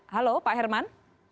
halo pak herman